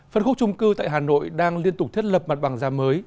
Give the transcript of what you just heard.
phân khúc trung cư tại hà nội đang liên tục thiết lập mặt bằng giá mới